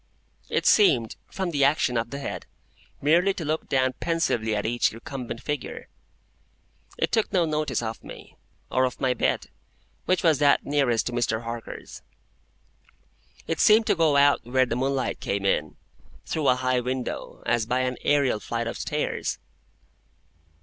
It seemed, from the action of the head, merely to look down pensively at each recumbent figure. It took no notice of me, or of my bed, which was that nearest to Mr. Harker's. It seemed to go out where the moonlight came in, through a high window, as by an aërial flight of stairs.